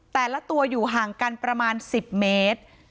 แต่ละตัวอยู่ห่างกันประมาณ๑๐เมตร